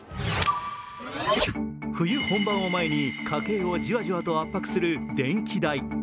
冬本番を前に家計じわじわと圧迫する電気代。